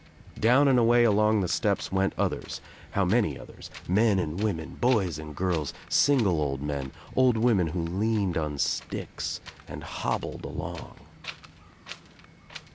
Down and away along the steps went others — how many others, men and women, boys and girls, single old men, old women who leaned on sticks and hobbled along.